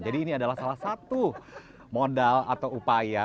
jadi ini adalah salah satu modal atau upaya